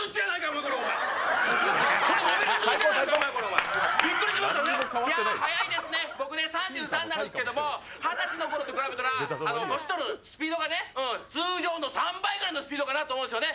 僕ね、３３になるんですけど二十歳の頃と比べたら年取るスピードが通常の３倍ぐらいのスピードかなと思うんですよね。